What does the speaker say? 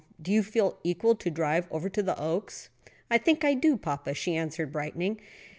Do you feel equal to a drive over to the Oaks?" "I think I do, papa," she answered, brightening.